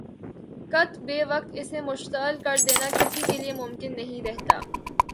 قت بے وقت اسے مشتعل کر دینا کسی کے لیے ممکن نہیں رہتا